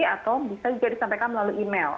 atau bisa juga disampaikan melalui email